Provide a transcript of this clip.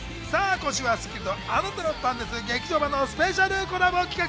今週は『スッキリ』と『あなたの番です劇場版』のスペシャルコラボ企画。